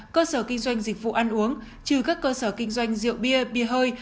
cơ sở kinh doanh dịch vụ ăn uống trừ các cơ sở kinh doanh rượu bia bia hơi